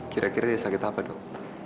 kira kira dia sakit apa dok